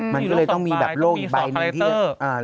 มันก็เลยต้องมีแบบโลกอีกใบหนึ่งที่